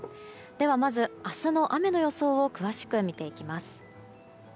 まず明日の雨の予想を詳しく見ていきます。